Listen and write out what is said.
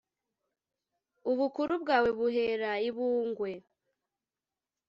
ubukuru bwawe buhera i bungwe